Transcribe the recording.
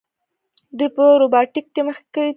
دوی په روباټیک کې مخکې تللي دي.